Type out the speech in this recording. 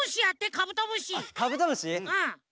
カブトムシ！？